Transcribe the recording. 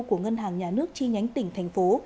của ngân hàng nhà nước chi nhánh tỉnh thành phố